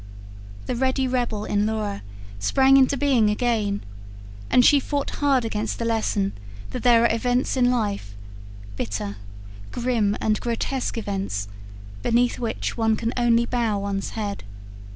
The ready rebel in Laura sprang into being again; and she fought hard against the lesson that there are events in life bitter, grim, and grotesque events beneath which one can only bow one's head.